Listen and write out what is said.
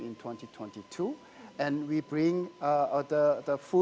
di tahun dua ribu dua puluh dua dan kami